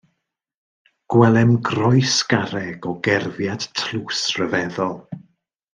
Gwelem groes garreg o gerfiad tlws ryfeddol.